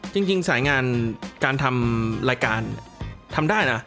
จริงสายงานการทำรายการทำได้นะ